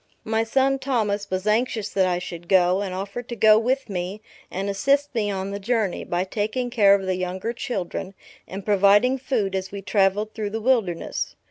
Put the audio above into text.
My son, Thomas, was anxious that I should go; and offered to go with me and assist me on the journey, by taking care of the younger children, and providing food as we travelled through the wilderness.